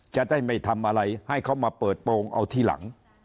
จะได้ไม่ทำอะไรให้เขามาเปิดโปรงเอาทีหลัง